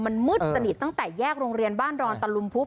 มันมืดสนิทตั้งแต่แยกโรงเรียนบ้านรอนตะลุมพุบ